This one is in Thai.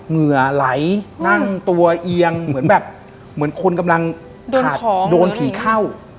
เหงื่อไหลนั่งตัวเอียงเหมือนคนกำลังโดนผีเข้า